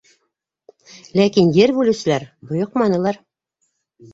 Ләкин ер бүлеүселәр бойоҡманылар.